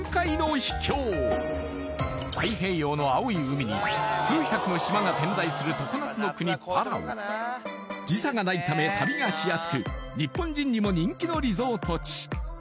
太平洋の青い海に数百の島が点在する常夏の国時差がないため旅がしやすく日本人にも人気のリゾート地